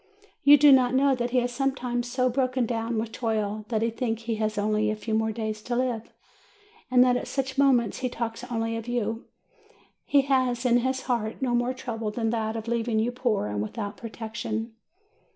You do not know that he is sometimes so broken down with toil that he thinks he has only a few more days to live, and that at such mo ments he talks only of you; he has in his heart no other trouble than that of leaving you poor and without protec tion.